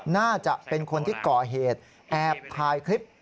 น่าจะเป็นคนที่ก่อเหตุแอบถ่ายคลิป